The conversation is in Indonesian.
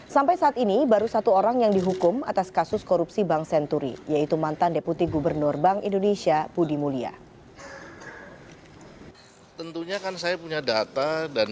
sampai saat ini baru satu orang yang dihukum atas kasus korupsi bank senturi yaitu mantan deputi gubernur bank indonesia budi mulya